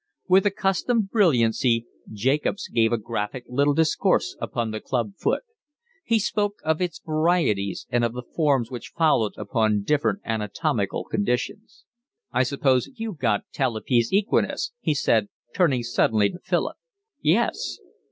With accustomed brilliancy Jacobs gave a graphic little discourse upon the club foot: he spoke of its varieties and of the forms which followed upon different anatomical conditions. "I suppose you've got talipes equinus?" he said, turning suddenly to Philip. "Yes."